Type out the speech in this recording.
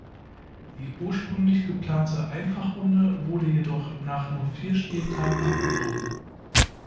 Die ursprünglich geplante Einfachrunde wurde jedoch nach nur vier Spieltagen abgebrochen.